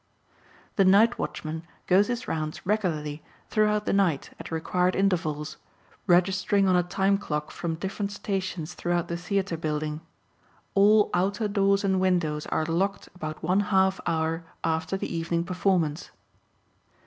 The night watchman goes his rounds regularly throughout the night at required intervals, registering on a time clock from different stations throughout the theatre building; all outer doors and windows are locked about one half hour after the evening performance.